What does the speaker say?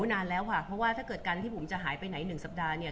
นานแล้วค่ะเพราะว่าถ้าเกิดการที่ผมจะหายไปไหน๑สัปดาห์เนี่ย